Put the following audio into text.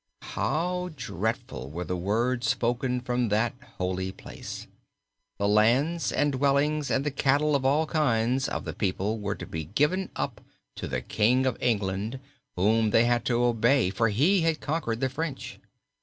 How dreadful were the words spoken from that holy place! The lands and dwellings and the cattle of all kinds, of the people were to be given up to the King of England whom they had to obey for he had conquered the French.